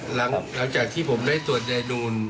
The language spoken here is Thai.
หลังจากที่ผมได้ตรวจยายดูน